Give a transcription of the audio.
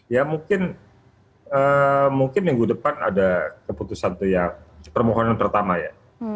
ya mungkin minggu depan ada keputusan permohonan pertama ya